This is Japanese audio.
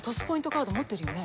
カード持ってるよね？